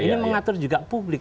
ini mengatur juga publik